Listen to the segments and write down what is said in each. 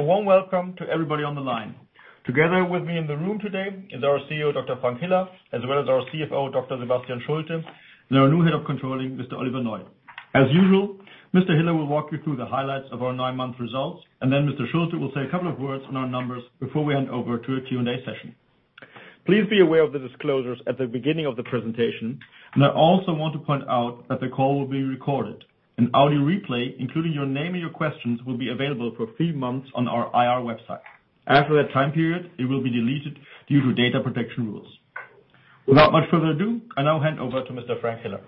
A warm welcome to everybody on the line. Together with me in the room today is our CEO, Dr. Frank Hiller, as well as our CFO, Dr. Sebastian Schulte, and our new Head of Controlling, Mr. Oliver Neu. As usual, Mr. Hiller will walk you through the highlights of our nine-month results, and then Mr. Schulte will say a couple of words on our numbers before we hand over to a Q&A session. Please be aware of the disclosures at the beginning of the presentation, and I also want to point out that the call will be recorded. An audio replay, including your name and your questions, will be available for three months on our IR website. After that time period, it will be deleted due to data protection rules. Without much further ado, I now hand over to Mr. Frank Hiller.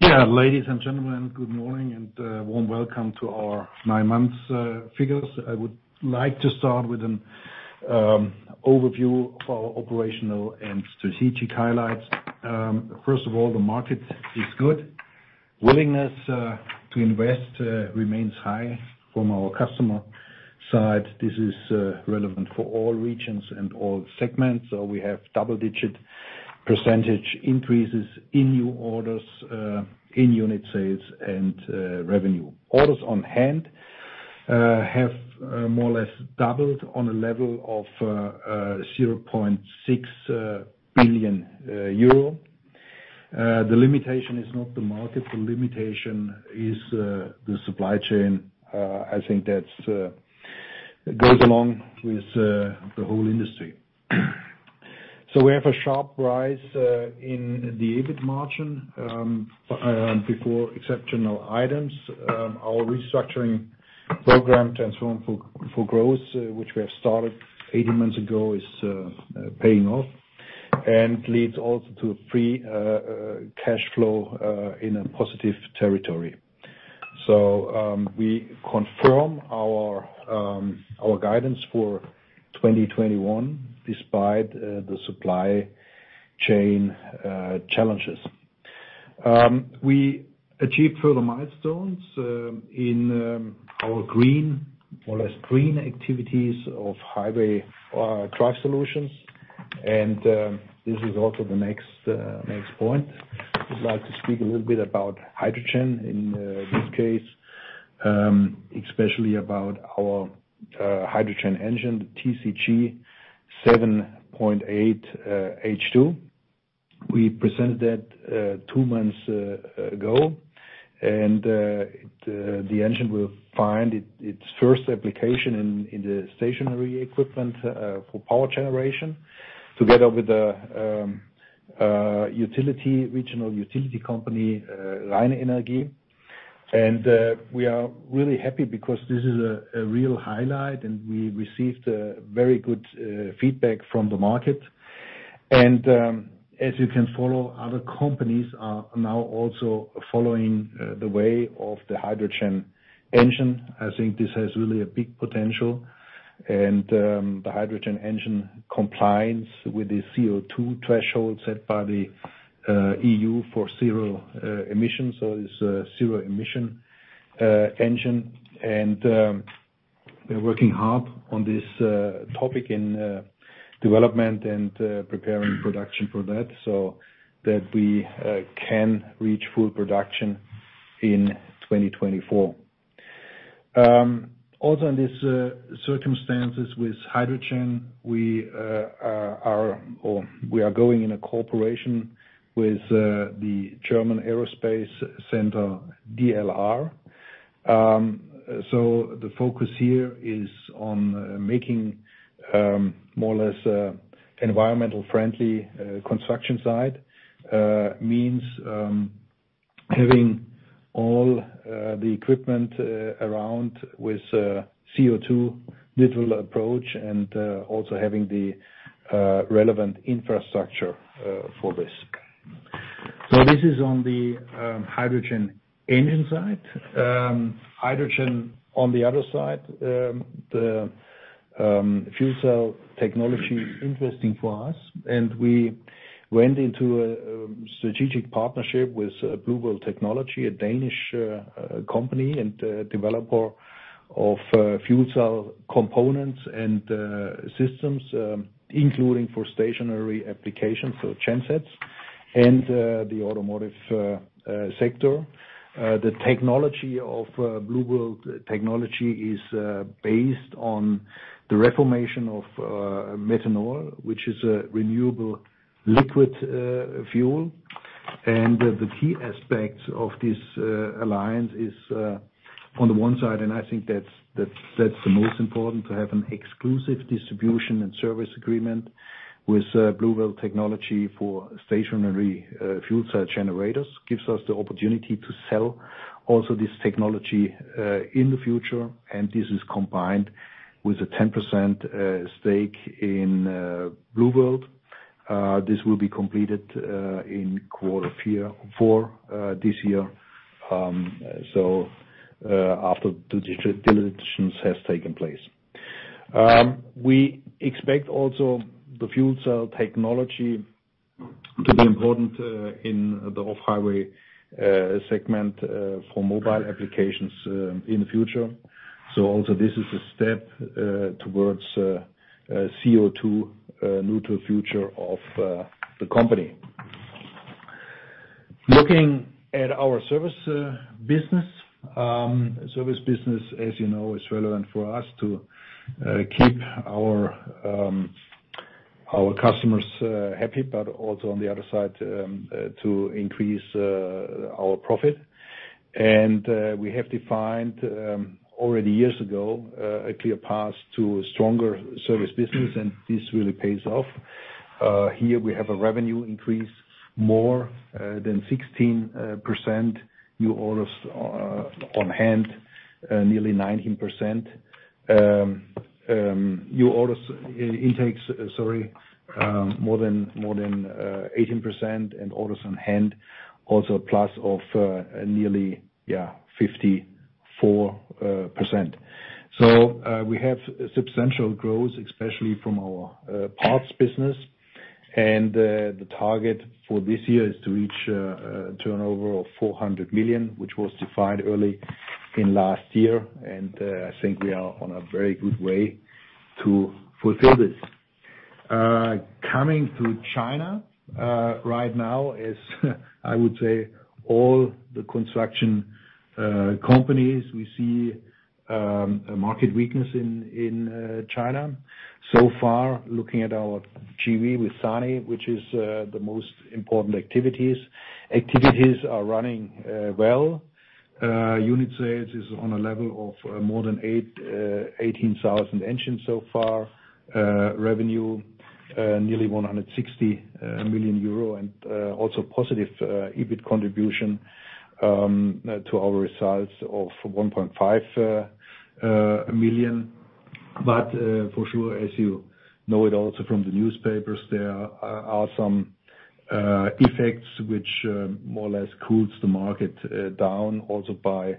Yeah, ladies and gentlemen, good morning and a warm welcome to our nine-month figures. I would like to start with an overview of our operational and strategic highlights. First of all, the market is good. Willingness to invest remains high from our customer side. This is relevant for all regions and all segments. We have double-digit % increases in new orders, in unit sales, and revenue. Orders on hand have more or less doubled on a level of 0.6 billion euro. The limitation is not the market; the limitation is the supply chain. I think that goes along with the whole industry. We have a sharp rise in the EBIT margin before exceptional items. Our restructuring program, Transform for Growth, which we have started 18 months ago, is paying off and leads also to free cash flow in a positive territory. We confirm our guidance for 2021 despite the supply chain challenges. We achieved further milestones in our green, more or less green activities of highway drive solutions. This is also the next point. I'd like to speak a little bit about hydrogen in this case, especially about our hydrogen engine, the TCG 7.8 H2. We presented that two months ago, and the engine will find its first application in the stationary equipment for power generation together with a regional utility company, RheinEnergie. We are really happy because this is a real highlight, and we received very good feedback from the market. As you can follow, other companies are now also following the way of the hydrogen engine. I think this has really a big potential, and the hydrogen engine complies with the CO2 threshold set by the EU for zero emissions. It is a zero-emission engine, and we are working hard on this topic in development and preparing production for that so that we can reach full production in 2024. Also, in these circumstances with hydrogen, we are going in a cooperation with the German Aerospace Center DLR. The focus here is on making a more or less environmentally friendly construction site, which means having all the equipment around with a CO2-neutral approach and also having the relevant infrastructure for this. This is on the hydrogen engine side. Hydrogen, on the other side, the fuel cell technology is interesting for us, and we went into a strategic partnership with Blue World Technology, a Danish company and developer of fuel cell components and systems, including for stationary applications, so gensets and the automotive sector. The technology of Blue World Technology is based on the reformation of methanol, which is a renewable liquid fuel. The key aspect of this alliance is, on the one side, and I think that's the most important, to have an exclusive distribution and service agreement with Blue World Technology for stationary fuel cell generators. It gives us the opportunity to sell also this technology in the future, and this is combined with a 10% stake in Blue World. This will be completed in quarter four this year, after the diligence has taken place. We expect also the fuel cell technology to be important in the off-highway segment for mobile applications in the future. Also, this is a step towards a CO2-neutral future of the company. Looking at our service business, service business, as you know, is relevant for us to keep our customers happy, but also, on the other side, to increase our profit. We have defined already years ago a clear path to a stronger service business, and this really pays off. Here, we have a revenue increase of more than 16%, new orders on hand, nearly 19%, new orders intakes, sorry, more than 18%, and orders on hand also plus of nearly, yeah, 54%. We have substantial growth, especially from our parts business, and the target for this year is to reach a turnover of 400 million, which was defined early in last year, and I think we are on a very good way to fulfill this. Coming to China right now is, I would say, all the construction companies. We see a market weakness in China. So far, looking at our JV with Sany, which is the most important activities, activities are running well. Unit sales is on a level of more than 18,000 engines so far, revenue nearly 160 million euro, and also positive EBIT contribution to our results of 1.5 million. As you know it also from the newspapers, there are some effects which more or less cool the market down also by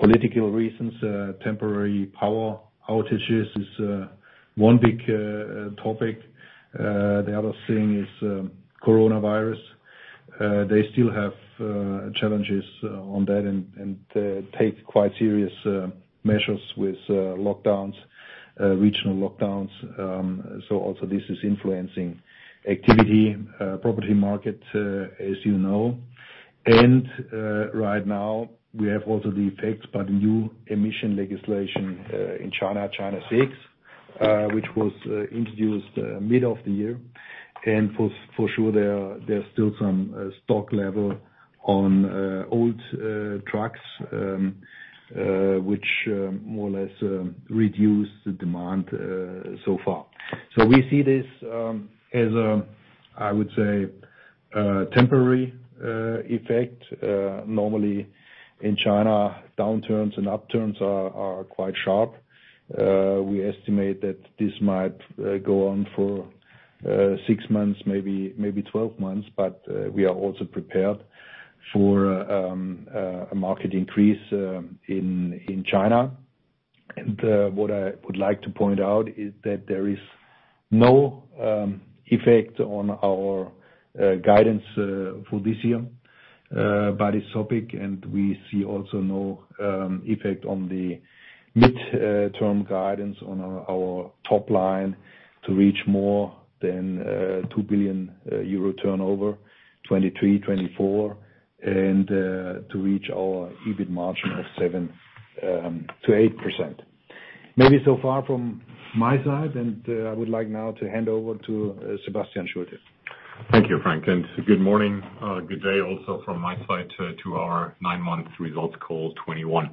political reasons. Temporary power outages is one big topic. The other thing is coronavirus. They still have challenges on that and take quite serious measures with regional lockdowns. This is influencing activity, property market, as you know. Right now, we have also the effects by the new emission legislation in China, China VI, which was introduced mid of the year. For sure, there's still some stock level on old trucks, which more or less reduced the demand so far. We see this as a, I would say, temporary effect. Normally, in China, downturns and upturns are quite sharp. We estimate that this might go on for six months, maybe 12 months, but we are also prepared for a market increase in China. What I would like to point out is that there is no effect on our guidance for this year by this topic, and we see also no effect on the mid-term guidance on our top line to reach more than 2 billion euro turnover, 2023, 2024, and to reach our EBIT margin of 7-8%. Maybe so far from my side, and I would like now to hand over to Sebastian Schulte. Thank you, Frank. Good morning, good day also from my side to our nine-month results call 2021.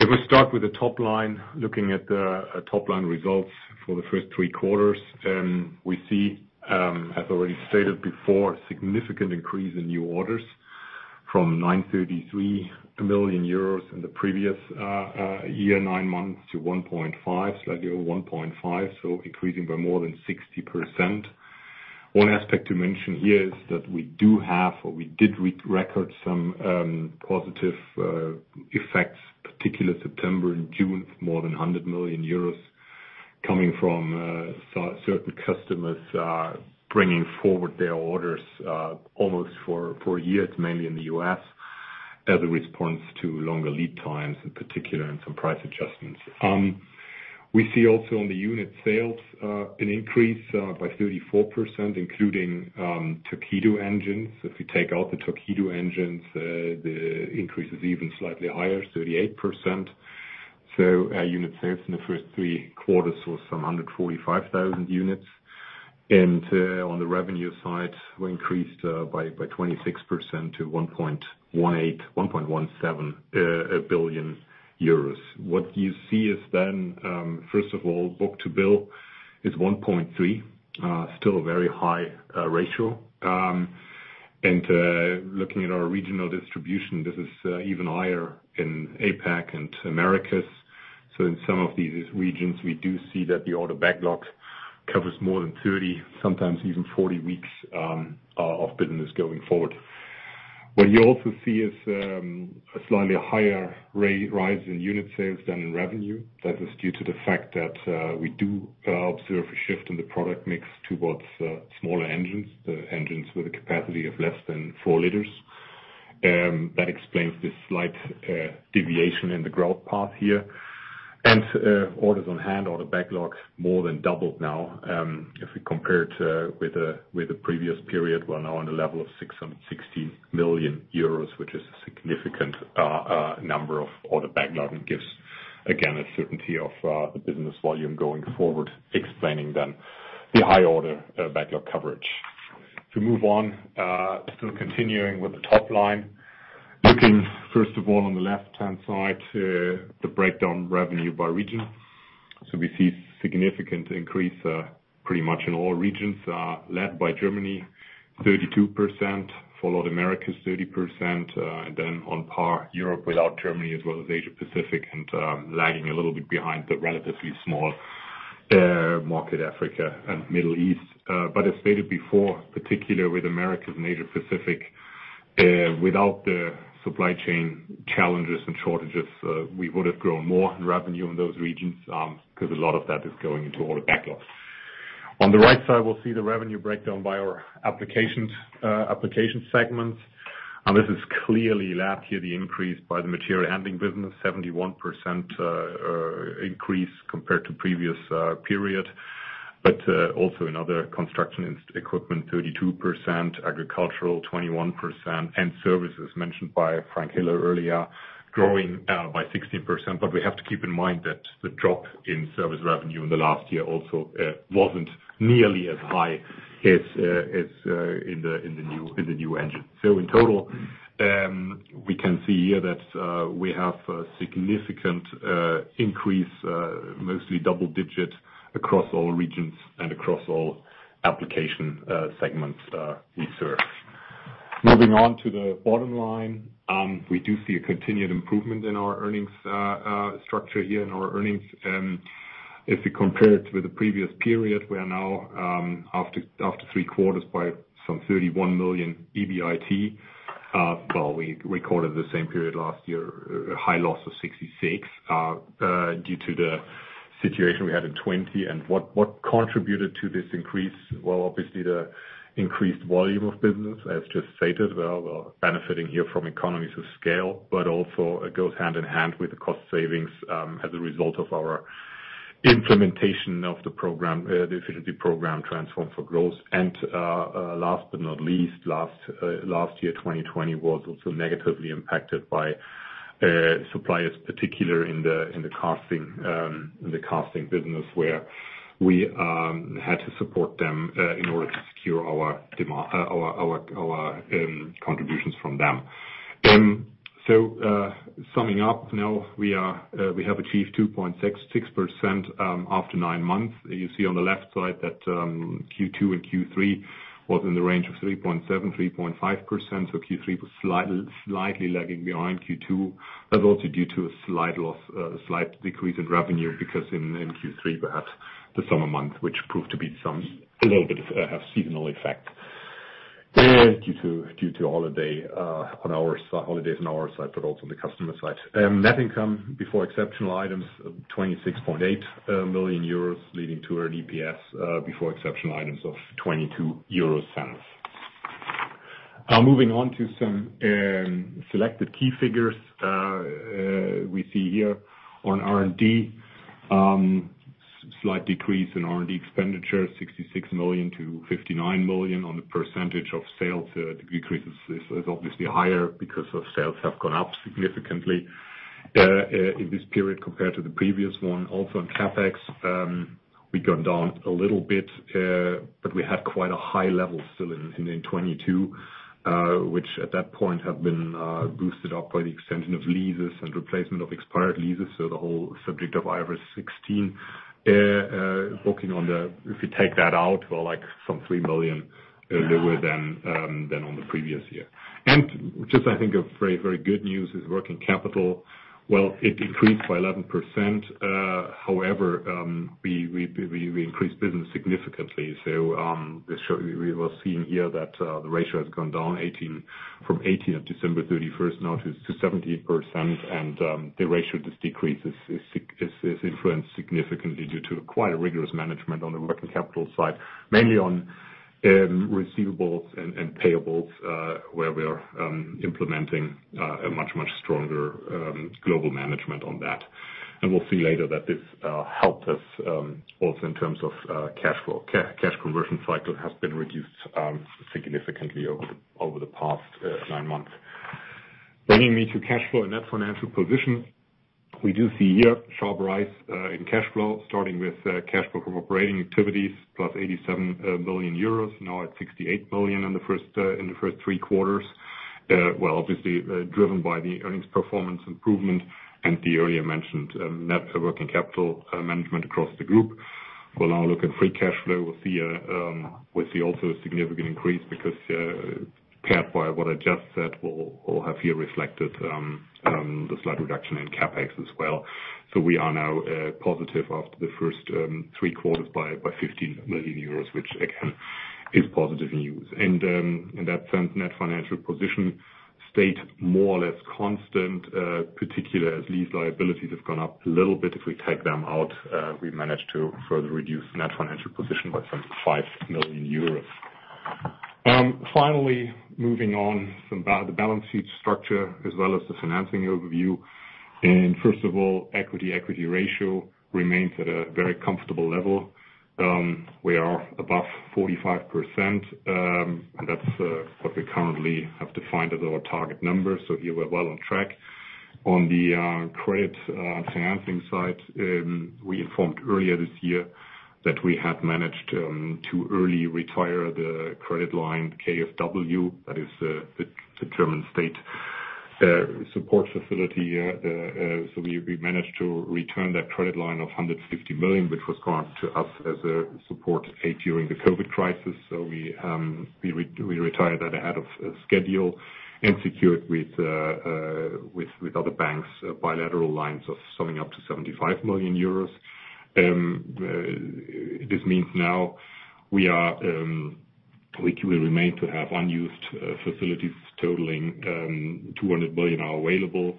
If we start with the top line, looking at the top line results for the first three quarters, we see, as already stated before, a significant increase in new orders from 933 million euros in the previous year, nine months, to 1.5 billion, slightly over 1.5 billion, so increasing by more than 60%. One aspect to mention here is that we do have, or we did record some positive effects, particularly September and June, more than 100 million euros coming from certain customers bringing forward their orders almost for a year, mainly in the U.S., as a response to longer lead times in particular and some price adjustments. We see also on the unit sales an increase by 34%, including torpedo engines. If we take out the torpedo engines, the increase is even slightly higher, 38%. Unit sales in the first three quarters was some 145,000 units. On the revenue side, we increased by 26% to 1.18 billion euros, 1.17 billion euros. What you see is, first of all, book to bill is 1.3, still a very high ratio. Looking at our regional distribution, this is even higher in APAC and Americas. In some of these regions, we do see that the order backlog covers more than 30, sometimes even 40 weeks of business going forward. What you also see is a slightly higher rise in unit sales than in revenue. That is due to the fact that we do observe a shift in the product mix towards smaller engines, the engines with a capacity of less than 4 L. That explains this slight deviation in the growth path here. Orders on hand, order backlog, more than doubled now. If we compare it with the previous period, we're now on the level of 660 million euros, which is a significant number of order backlog and gives, again, a certainty of the business volume going forward, explaining then the high order backlog coverage. To move on, still continuing with the top line, looking first of all on the left-hand side, the breakdown revenue by region. We see significant increase pretty much in all regions, led by Germany, 32%, followed by Americas, 30%, and then on par Europe without Germany as well as Asia-Pacific, and lagging a little bit behind the relatively small market, Africa, and Middle East. As stated before, particularly with America and Asia-Pacific, without the supply chain challenges and shortages, we would have grown more in revenue in those regions because a lot of that is going into order backlog. On the right side, we'll see the revenue breakdown by our application segments. This is clearly led here, the increase by the material handling business, 71% increase compared to previous period, but also in other construction equipment, 32%, agricultural, 21%, and services mentioned by Frank Hiller earlier, growing by 16%. We have to keep in mind that the drop in service revenue in the last year also was not nearly as high as in the new engine. In total, we can see here that we have a significant increase, mostly double-digit, across all regions and across all application segments we serve. Moving on to the bottom line, we do see a continued improvement in our earnings structure here in our earnings. If we compare it with the previous period, we are now after three quarters by some 31 million EBIT. We recorded the same period last year, a high loss of 66 million due to the situation we had in 2020. What contributed to this increase? Obviously, the increased volume of business, as just stated, benefiting here from economies of scale, but also it goes hand in hand with the cost savings as a result of our implementation of the efficiency program Transform for Growth. Last but not least, last year, 2020, was also negatively impacted by suppliers, particularly in the casting business, where we had to support them in order to secure our contributions from them. Summing up now, we have achieved 2.6% after nine months. You see on the left side that Q2 and Q3 was in the range of 3.7%, 3.5%. Q3 was slightly lagging behind Q2, but also due to a slight decrease in revenue because in Q3, we had the summer month, which proved to be a little bit of a seasonal effect due to holidays on our side, but also on the customer side. Net income before exceptional items, 26.8 million euros, leading to an EPS before exceptional items of 0.22 euros. Moving on to some selected key figures, we see here on R&D, slight decrease in R&D expenditure, 66 million to 59 million on the percentage of sales. The decrease is obviously higher because sales have gone up significantly in this period compared to the previous one. Also, in CapEx, we've gone down a little bit, but we had quite a high level still in 2022, which at that point had been boosted up by the extension of leases and replacement of expired leases. The whole subject of IFRS 16, if you take that out, like some 3 million lower than on the previous year. I think very, very good news is working capital. It increased by 11%. However, we increased business significantly. We were seeing here that the ratio has gone down from 18% as of December 31st, now to 17%, and the ratio decrease is influenced significantly due to quite a rigorous management on the working capital side, mainly on receivables and payables, where we are implementing a much, much stronger global management on that. We will see later that this helped us also in terms of cash flow. Cash conversion cycle has been reduced significantly over the past nine months. Bringing me to cash flow and net financial position, we do see here sharp rise in cash flow, starting with cash flow from operating activities, +87 million euros, now at 68 million in the first three quarters. Obviously, driven by the earnings performance improvement and the earlier mentioned net working capital management across the group. We'll now look at free cash flow. We'll see also a significant increase because paired by what I just said, we'll have here reflected the slight reduction in CapEx as well. We are now positive after the first three quarters by 15 million euros, which again is positive news. In that sense, net financial position stayed more or less constant, particularly as lease liabilities have gone up a little bit. If we take them out, we managed to further reduce net financial position by some 5 million euros. Finally, moving on, the balance sheet structure as well as the financing overview. First of all, equity ratio remains at a very comfortable level. We are above 45%, and that's what we currently have defined as our target number. Here, we're well on track. On the credit financing side, we informed earlier this year that we had managed to early retire the credit line, KfW, that is the German state support facility. We managed to return that credit line of 150 million, which was granted to us as a support aid during the COVID crisis. We retired that ahead of schedule and secured with other banks bilateral lines summing up to 75 million euros. This means now we remain to have unused facilities totaling 200 million available,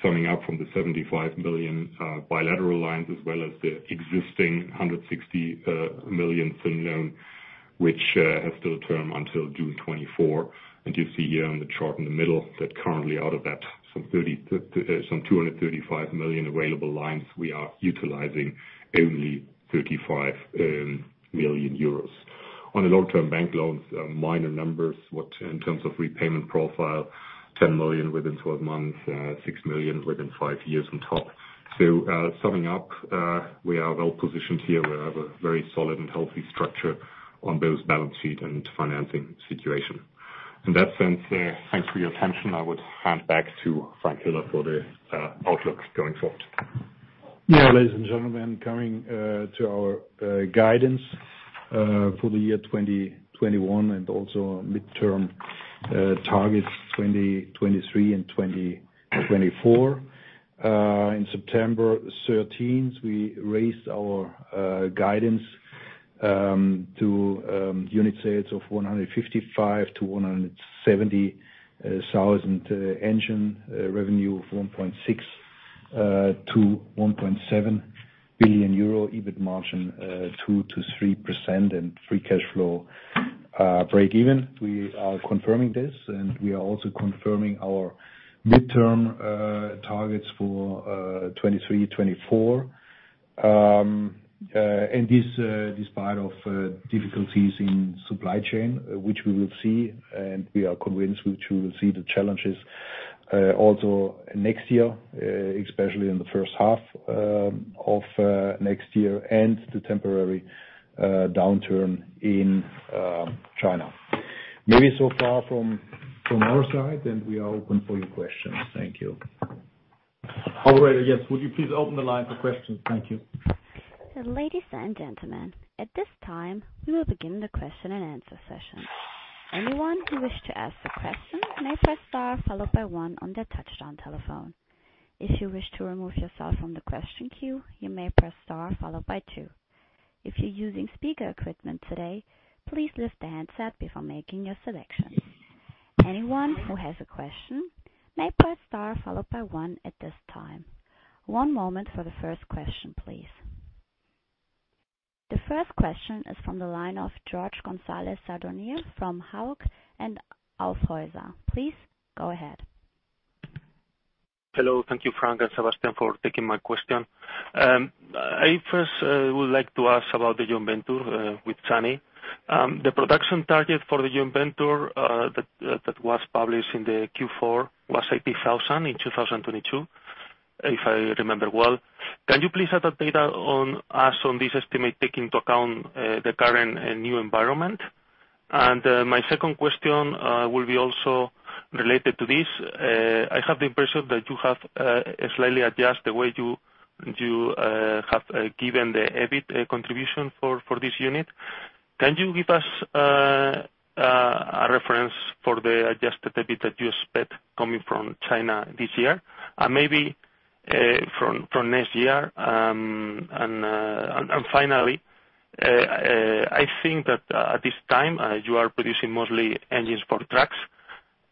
summing up from the 75 million bilateral lines as well as the existing 160 million loan, which has to return until June 2024. You see here on the chart in the middle that currently out of that, some 235 million available lines, we are utilizing only 35 million euros. On the long-term bank loans, minor numbers in terms of repayment profile, 10 million within 12 months, 6 million within five years on top. Summing up, we are well positioned here. We have a very solid and healthy structure on both balance sheet and financing situation. In that sense, thanks for your attention. I would hand back to Frank Hiller for the outlook going forward. Yeah, ladies and gentlemen, coming to our guidance for the year 2021 and also midterm targets 2023 and 2024. On September 13th, we raised our guidance to unit sales of 155,000-170,000, engine revenue of 1.6 billion-1.7 billion euro, EBIT margin 2%-3%, and free cash flow breakeven. We are confirming this, and we are also confirming our midterm targets for 2023, 2024. Despite difficulties in supply chain, which we will see, and we are convinced we will see the challenges also next year, especially in the first half of next year and the temporary downturn in China. Maybe so far from our side, and we are open for your questions. Thank you. Alright, yes, would you please open the line for questions? Thank you. Ladies and gentlemen, at this time, we will begin the question and answer session. Anyone who wishes to ask a question may press star followed by one on their touch-tone telephone. If you wish to remove yourself from the question queue, you may press star followed by two. If you are using speaker equipment today, please lift the headset before making your selection. Anyone who has a question may press star followed by one at this time. One moment for the first question, please. The first question is from the line of Jorge González Sadornil from Hauck & Aufhäuser. Please go ahead. Hello, thank you, Frank and Sebastian, for taking my question. I first would like to ask about the joint venture with Sany. The production target for the joint venture that was published in the Q4 was 80,000 in 2022, if I remember well. Can you please add that data on us on this estimate taking into account the current new environment? My second question will be also related to this. I have the impression that you have slightly adjusted the way you have given the EBIT contribution for this unit. Can you give us a reference for the adjusted EBIT that you expect coming from China this year and maybe from next year? Finally, I think that at this time, you are producing mostly engines for trucks.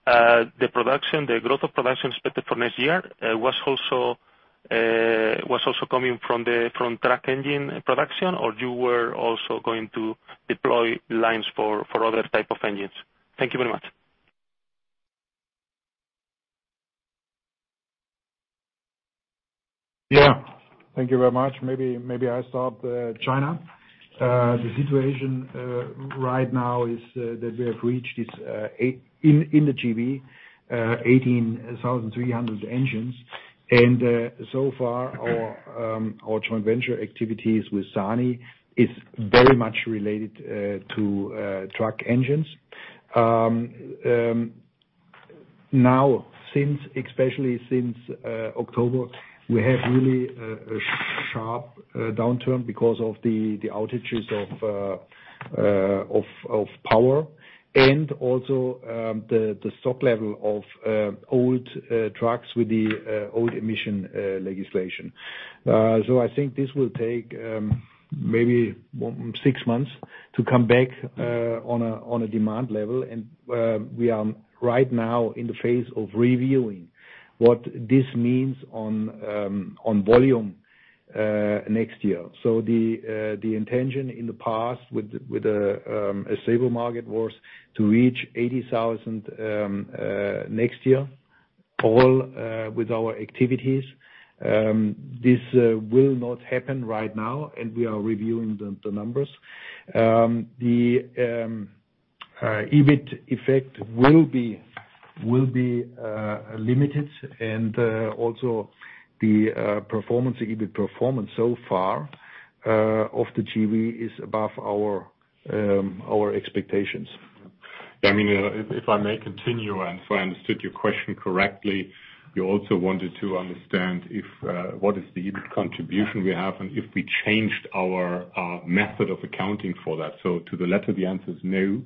The growth of production expected for next year was also coming from the front truck engine production, or you were also going to deploy lines for other types of engines? Thank you very much. Yeah, thank you very much. Maybe I start with China. The situation right now is that we have reached in the GV 18,300 engines. So far, our joint venture activities with Sany is very much related to truck engines. Especially since October, we have really a sharp downturn because of the outages of power and also the stock level of old trucks with the old emission legislation. I think this will take maybe six months to come back on a demand level. We are right now in the phase of reviewing what this means on volume next year. The intention in the past with a stable market was to reach 80,000 next year, all with our activities. This will not happen right now, and we are reviewing the numbers. The EBIT effect will be limited, and also the EBIT performance so far of the GV is above our expectations. Yeah, I mean, if I may continue, and if I understood your question correctly, you also wanted to understand what is the EBIT contribution we have and if we changed our method of accounting for that. To the letter, the answer is no.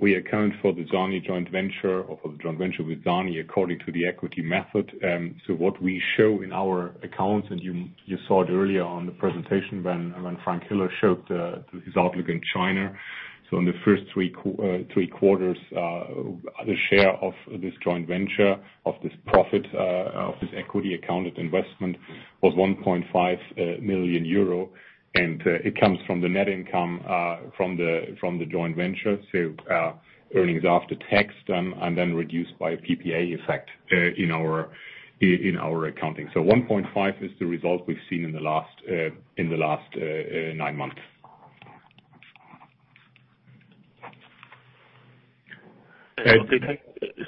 We account for the Sany joint venture or for the joint venture with Sany according to the equity method. What we show in our accounts, and you saw it earlier on the presentation when Frank Hiller showed his outlook in China, in the first three quarters, the share of this joint venture, of this profit, of this equity accounted investment was 1.5 million euro. It comes from the net income from the joint venture, so earnings after tax and then reduced by PPA effect in our accounting. 1.5 million is the result we've seen in the last nine months.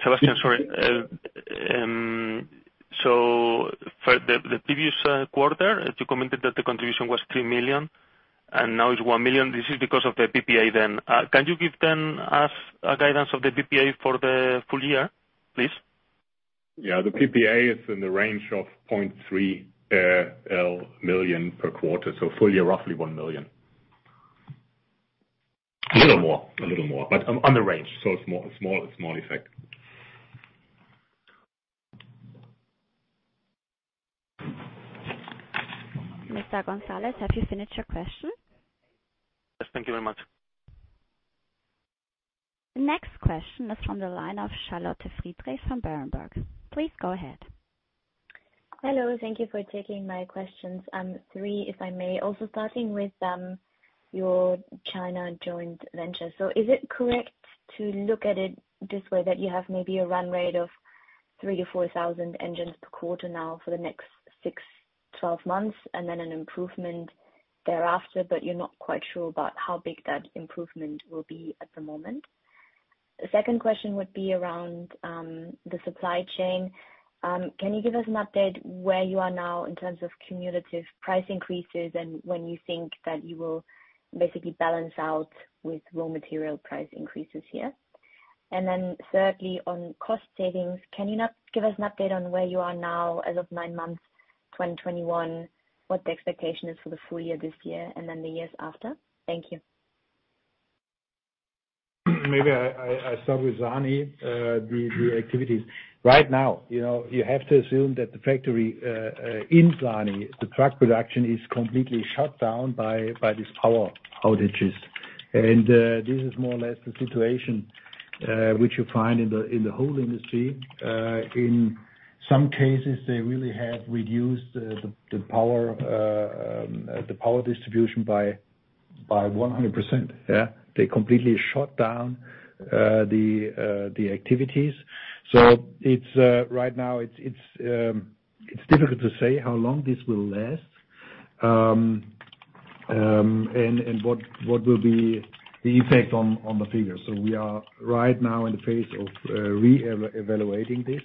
Sebastian, sorry. For the previous quarter, you commented that the contribution was 3 million, and now it is 1 million. This is because of the PPA then. Can you give us a guidance of the PPA for the full year, please? Yeah, the PPA is in the range of 0.3 million per quarter. Full year, roughly 1 million. A little more, a little more, but on the range. It is a small effect. Mr. González, have you finished your question? Yes, thank you very much. The next question is from the line of Charlotte Friedrichs from Berenberg. Please go ahead. Hello, thank you for taking my questions. Three, if I may, also starting with your China joint venture. Is it correct to look at it this way that you have maybe a run rate of 3,000 to 4,000 engines per quarter now for the next 6 to 12 months and then an improvement thereafter, but you're not quite sure about how big that improvement will be at the moment? The second question would be around the supply chain. Can you give us an update where you are now in terms of cumulative price increases and when you think that you will basically balance out with raw material price increases here? Thirdly, on cost savings, can you give us an update on where you are now as of nine months, 2021, what the expectation is for the full year this year and then the years after? Thank you. Maybe I start with Sany, the activities. Right now, you have to assume that the factory in Sany, the truck production, is completely shut down by these power outages. This is more or less the situation which you find in the whole industry. In some cases, they really have reduced the power distribution by 100%. Yeah, they completely shut down the activities. Right now, it's difficult to say how long this will last and what will be the effect on the figures. We are right now in the phase of re-evaluating this.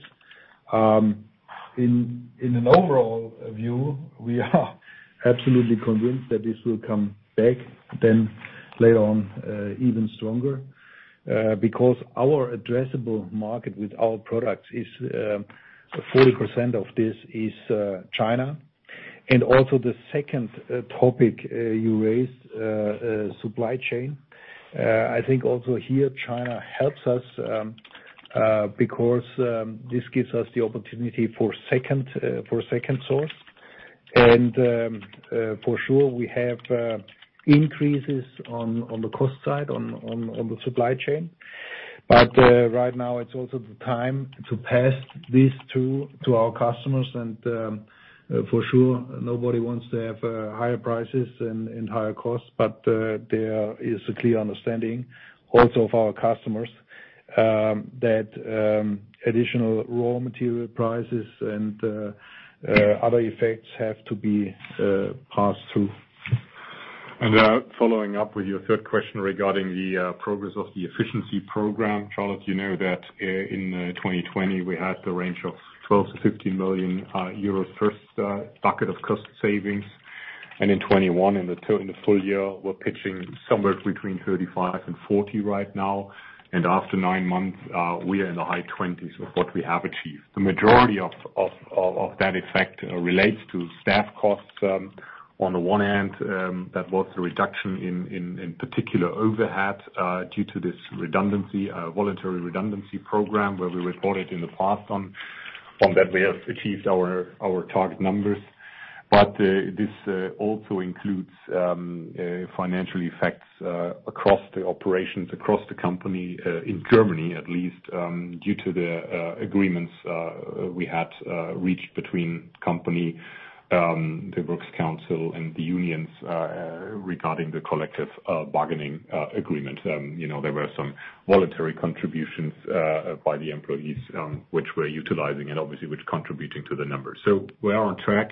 In an overall view, we are absolutely convinced that this will come back then later on even stronger because our addressable market with our products is 40% of this is China. The second topic you raised, supply chain, I think also here China helps us because this gives us the opportunity for second source. For sure, we have increases on the cost side on the supply chain. Right now, it is also the time to pass this to our customers. For sure, nobody wants to have higher prices and higher costs, but there is a clear understanding also of our customers that additional raw material prices and other effects have to be passed through. Following up with your third question regarding the progress of the efficiency program, Charlotte, you know that in 2020, we had the range of 12 million-15 million euros first bucket of cost savings. In 2021, in the full year, we are pitching somewhere between 35 million-40 million right now. After nine months, we are in the high 20s of what we have achieved. The majority of that effect relates to staff costs. On the one hand, that was the reduction in particular overhead due to this voluntary redundancy program where we reported in the past that we have achieved our target numbers. This also includes financial effects across the operations, across the company in Germany, at least due to the agreements we had reached between company, the works council, and the unions regarding the collective bargaining agreement. There were some voluntary contributions by the employees which we're utilizing and obviously which are contributing to the numbers. We are on track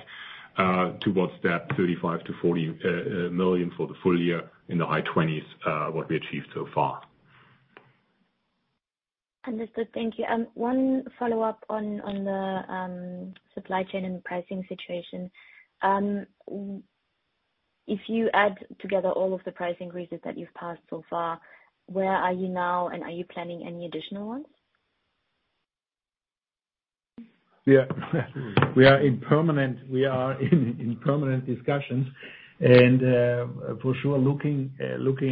towards that 35 million-40 million for the full year in the high 20s, what we achieved so far. Understood. Thank you. One follow-up on the supply chain and pricing situation. If you add together all of the price increases that you've passed so far, where are you now, and are you planning any additional ones? Yeah, we are in permanent discussions. For sure, looking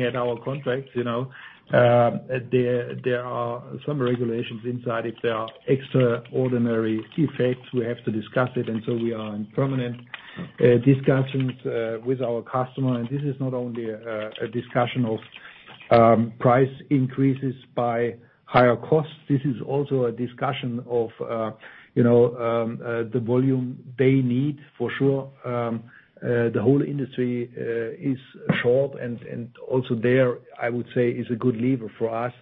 at our contracts, there are some regulations inside. If there are extraordinary effects, we have to discuss it. We are in permanent discussions with our customers. This is not only a discussion of price increases by higher costs. This is also a discussion of the volume they need. For sure, the whole industry is short. I would say there is a good lever for us.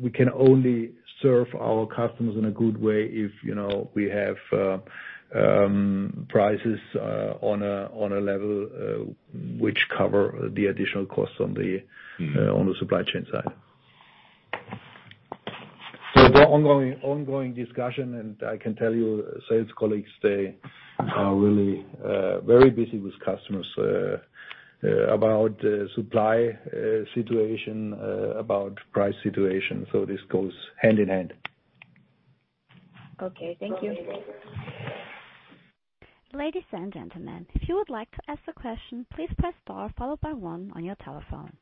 We can only serve our customers in a good way if we have prices on a level which cover the additional costs on the supply chain side. The ongoing discussion, and I can tell you sales colleagues, they are really very busy with customers about the supply situation, about price situation. This goes hand in hand. Okay, thank you. Ladies and gentlemen, if you would like to ask a question, please press star followed by one on your telephone.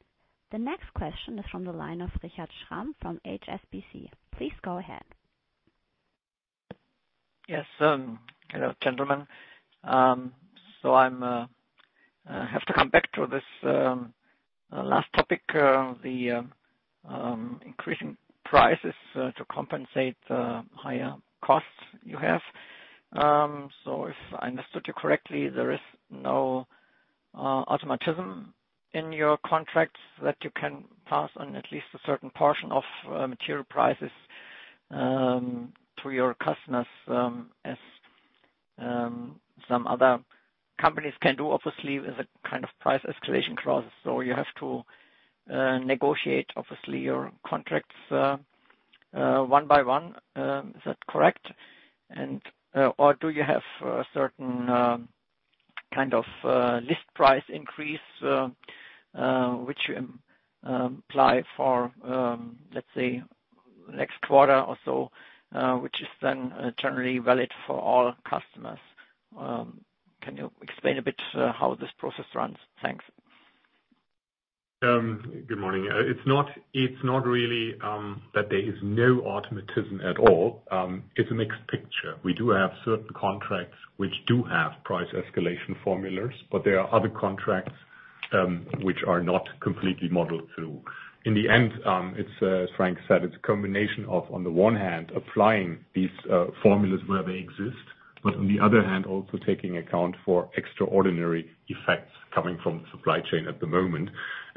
The next question is from the line of Richard Schramm from HSBC. Please go ahead. Yes, hello, gentlemen. I have to come back to this last topic, the increasing prices to compensate the higher costs you have. If I understood you correctly, there is no automatism in your contracts that you can pass on at least a certain portion of material prices to your customers as some other companies can do, obviously, as a kind of price escalation clause. You have to negotiate, obviously, your contracts one by one. Is that correct? Do you have a certain kind of list price increase which you apply for, let's say, next quarter or so, which is then generally valid for all customers? Can you explain a bit how this process runs? Thanks. Good morning. It's not really that there is no automatism at all. It's a mixed picture. We do have certain contracts which do have price escalation formulas, but there are other contracts which are not completely modeled through. In the end, it's, as Frank said, it's a combination of, on the one hand, applying these formulas where they exist, but on the other hand, also taking account for extraordinary effects coming from the supply chain at the moment.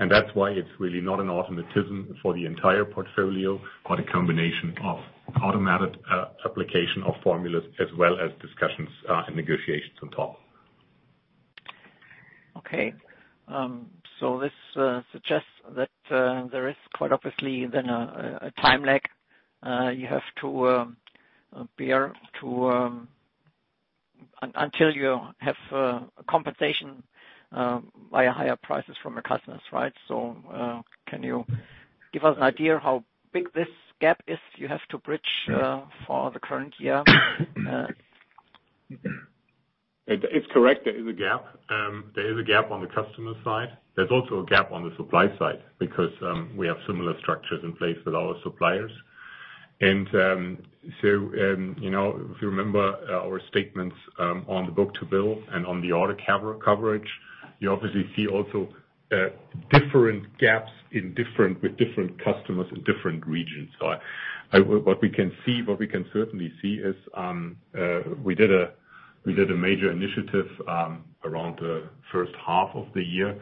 That's why it's really not an automatism for the entire portfolio, but a combination of automated application of formulas as well as discussions and negotiations on top. Okay. This suggests that there is quite obviously then a time lag you have to bear until you have compensation by higher prices from your customers, right? Can you give us an idea how big this gap is you have to bridge for the current year? It's correct, there is a gap. There is a gap on the customer side. There's also a gap on the supply side because we have similar structures in place with our suppliers. If you remember our statements on the book to bill and on the order coverage, you obviously see also different gaps with different customers in different regions. What we can see, what we can certainly see is we did a major initiative around the first half of the year,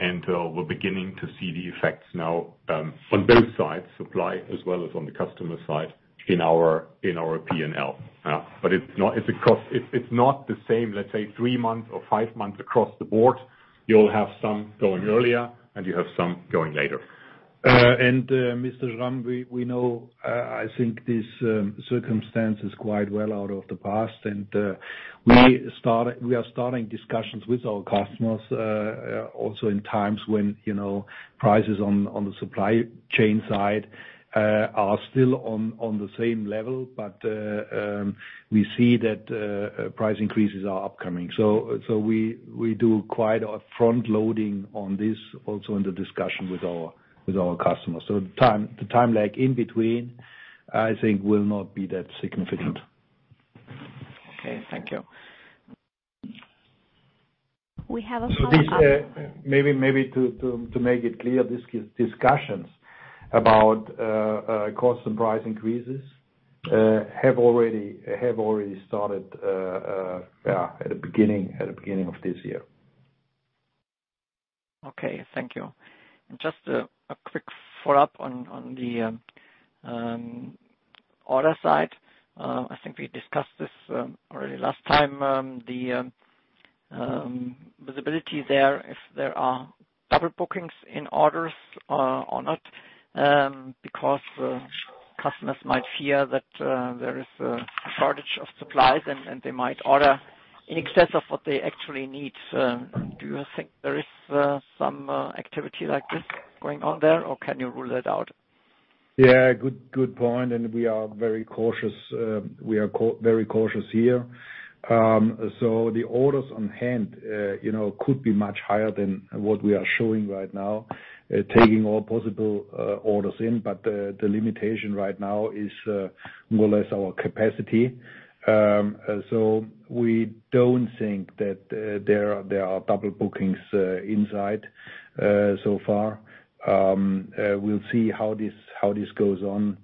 and we're beginning to see the effects now on both sides, supply as well as on the customer side in our P&L. It's not the same, let's say, three months or five months across the board. You'll have some going earlier, and you have some going later. Mr. Schramm, we know, I think, this circumstance is quite well out of the past. We are starting discussions with our customers also in times when prices on the supply chain side are still on the same level, but we see that price increases are upcoming. We do quite a front loading on this also in the discussion with our customers. The time lag in between, I think, will not be that significant. Okay, thank you. We have a follow-up. Maybe to make it clear, these discussions about cost and price increases have already started at the beginning of this year. Okay, thank you. Just a quick follow-up on the order side. I think we discussed this already last time, the visibility there if there are double bookings in orders or not because customers might fear that there is a shortage of supplies and they might order in excess of what they actually need. Do you think there is some activity like this going on there, or can you rule that out? Yeah, good point. We are very cautious. We are very cautious here. The orders on hand could be much higher than what we are showing right now, taking all possible orders in. The limitation right now is more or less our capacity. We do not think that there are double bookings inside so far. We will see how this goes on.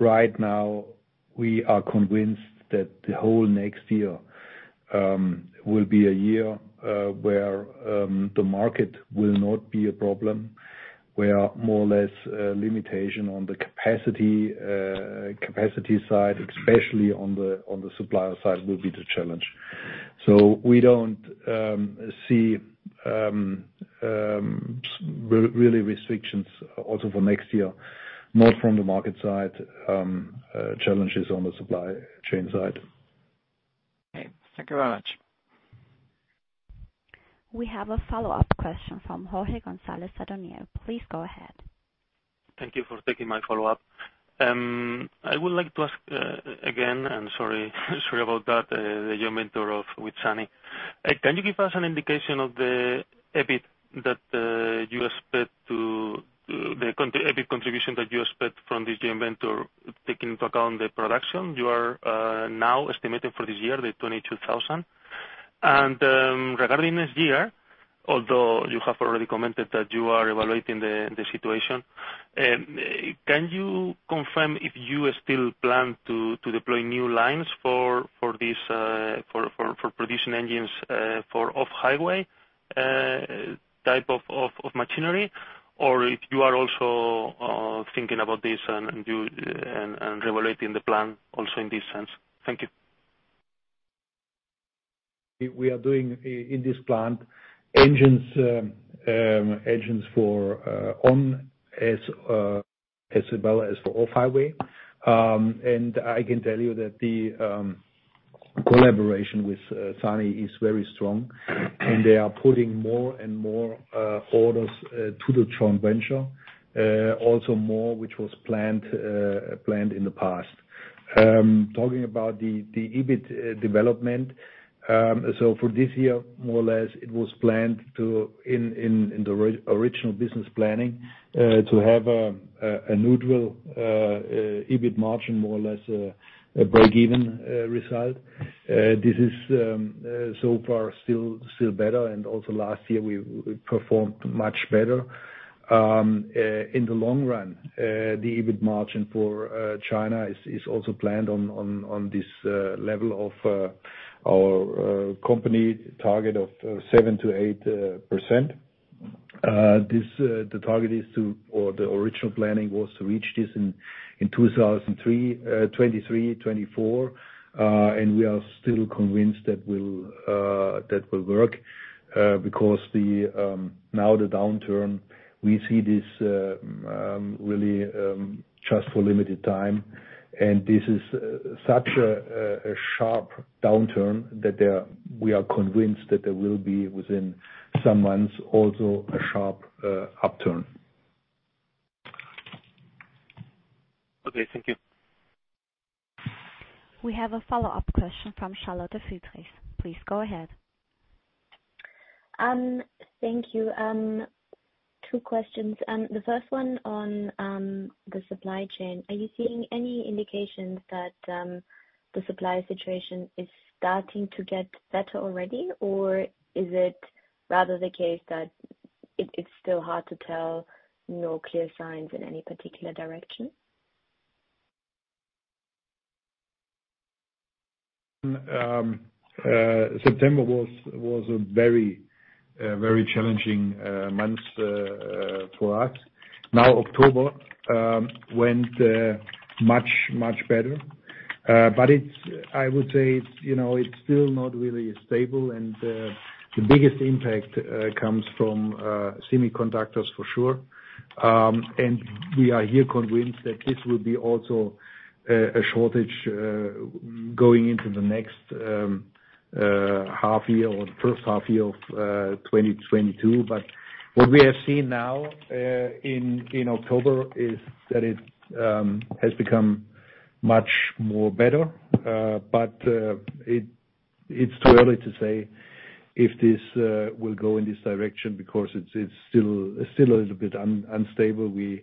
Right now, we are convinced that the whole next year will be a year where the market will not be a problem, where more or less limitation on the capacity side, especially on the supplier side, will be the challenge. We do not see really restrictions also for next year, not from the market side, challenges on the supply chain side. Okay, thank you very much. We have a follow-up question from Jorge González Sadornil. Please go ahead. Thank you for taking my follow-up. I would like to ask again, and sorry about that, the joint venture with Sany. Can you give us an indication of the EBIT contribution that you expect from this joint venture, taking into account the production? You are now estimating for this year the 22,000. Regarding this year, although you have already commented that you are evaluating the situation, can you confirm if you still plan to deploy new lines for producing engines for off-highway type of machinery, or if you are also thinking about this and reevaluating the plan also in this sense? Thank you. We are doing in this plant engines for on as well as for off-highway. I can tell you that the collaboration with Sany is very strong, and they are putting more and more orders to the joint venture, also more which was planned in the past. Talking about the EBIT development, for this year, more or less, it was planned in the original business planning to have a neutral EBIT margin, more or less a break-even result. This is so far still better, and also last year we performed much better. In the long run, the EBIT margin for China is also planned on this level of our company target of 7-8%. The target is to, or the original planning was to reach this in 2023, 2024, and we are still convinced that will work because now the downturn, we see this really just for limited time. This is such a sharp downturn that we are convinced that there will be within some months also a sharp upturn. Okay, thank you. We have a follow-up question from Charlotte Friedrichs. Please go ahead. Thank you. Two questions. The first one on the supply chain. Are you seeing any indications that the supply situation is starting to get better already, or is it rather the case that it's still hard to tell, no clear signs in any particular direction? September was a very, very challenging month for us. October went much, much better. I would say it's still not really stable, and the biggest impact comes from semiconductors for sure. We are here convinced that this will be also a shortage going into the next half year or first half year of 2022. What we have seen now in October is that it has become much more better, but it's too early to say if this will go in this direction because it's still a little bit unstable. We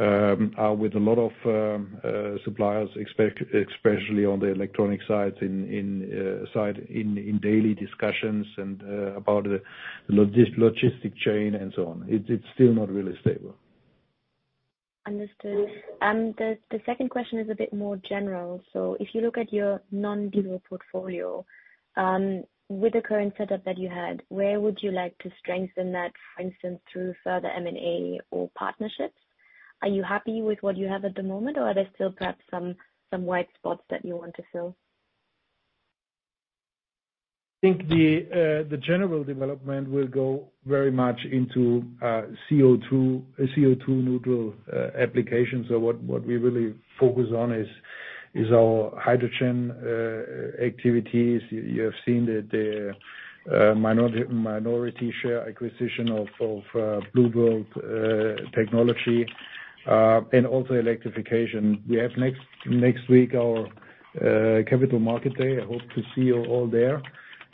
are with a lot of suppliers, especially on the electronic side, in daily discussions about the logistic chain and so on. It's still not really stable. Understood. The second question is a bit more general. If you look at your non-DEUTZ portfolio, with the current setup that you had, where would you like to strengthen that, for instance, through further M&A or partnerships? Are you happy with what you have at the moment, or are there still perhaps some white spots that you want to fill? I think the general development will go very much into CO2-neutral applications. What we really focus on is our hydrogen activities. You have seen the minority share acquisition of Blue World Technology and also electrification. We have next week our capital market day. I hope to see you all there.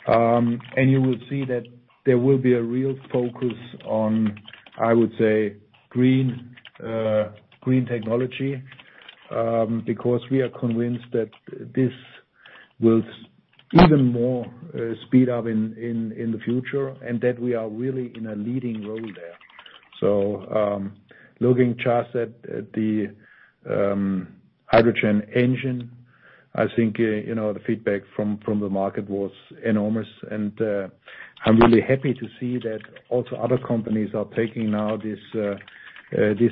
You will see that there will be a real focus on, I would say, green technology because we are convinced that this will even more speed up in the future and that we are really in a leading role there. Looking just at the hydrogen engine, I think the feedback from the market was enormous. I am really happy to see that also other companies are taking now this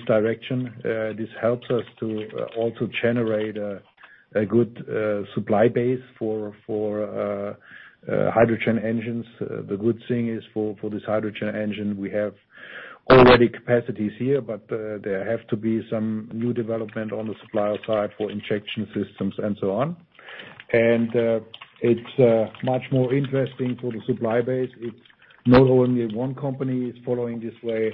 direction. This helps us to also generate a good supply base for hydrogen engines. The good thing is for this hydrogen engine, we have already capacities here, but there have to be some new development on the supplier side for injection systems and so on. It is much more interesting for the supply base. It is not only one company is following this way;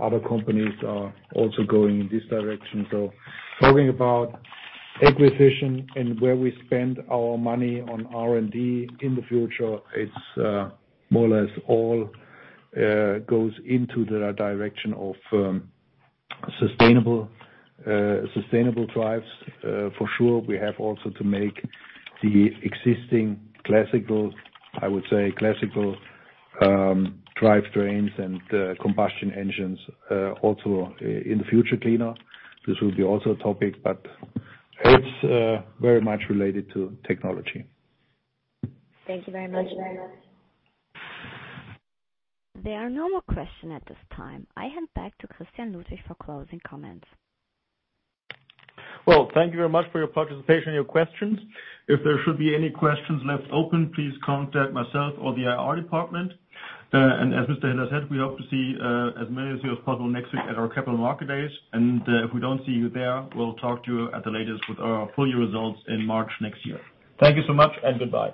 other companies are also going in this direction. Talking about acquisition and where we spend our money on R&D in the future, it is more or less all goes into the direction of sustainable drives. For sure, we have also to make the existing classical, I would say, classical drive trains and combustion engines also in the future cleaner. This will be also a topic, but it is very much related to technology. Thank you very much. Thank you very much. There are no more questions at this time. I hand back to Christian Ludwig for closing comments. Thank you very much for your participation and your questions. If there should be any questions left open, please contact myself or the IR department. As Mr. Hiller said, we hope to see as many of you as possible next week at our capital market days. If we do not see you there, we will talk to you at the latest with our full year results in March next year. Thank you so much and goodbye.